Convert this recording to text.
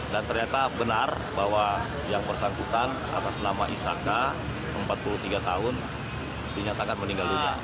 dan ternyata benar bahwa jam bersangkutan atas nama isaka empat puluh tiga tahun dinyatakan meninggal dunia